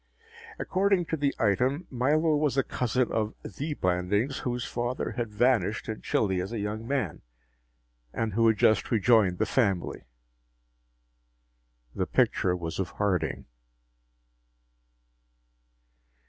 According to the item, Milo was a cousin of the Blandings, whose father had vanished in Chile as a young man, and who had just rejoined the family. The picture was of Harding!